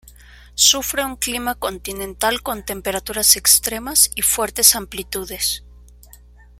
Sufre un clima continental con temperaturas extremas y fuertes amplitudes.